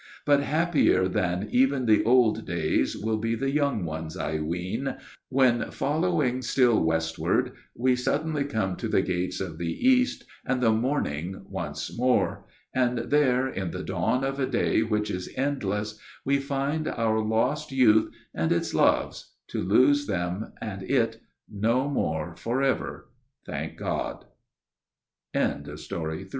But happier than even the old days will be the young ones, I ween, when, following still westward, we suddenly come to the gates of the new east and the morning once more; and there, in the dawn of a day which is cloudless and endless, we find our lost youth and its loves, to lose them and it no more forever, thank